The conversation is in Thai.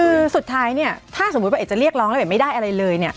คือสุดท้ายเนี่ยถ้าสมมุติว่าเอกจะเรียกร้องแล้วเอ็ดไม่ได้อะไรเลยเนี่ย